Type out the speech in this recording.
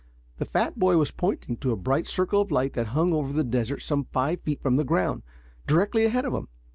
The fat boy was pointing to a bright circle of light that hung over the desert some five feet from the ground, directly ahead of him.